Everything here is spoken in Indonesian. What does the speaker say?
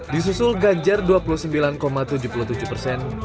disusul ganjar dua puluh sembilan tujuh puluh tujuh persen